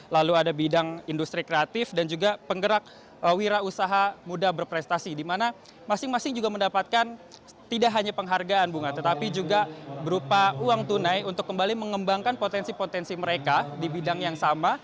lalu ada bidang industri kreatif dan juga penggerak wira usaha muda berprestasi di mana masing masing juga mendapatkan tidak hanya penghargaan bunga tetapi juga berupa uang tunai untuk kembali mengembangkan potensi potensi mereka di bidang yang sama